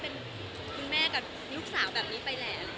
สิ่งที่อยากขอบคุณก็อย่างเดียว